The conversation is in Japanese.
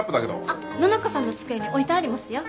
あっ野中さんの机に置いてありますよ。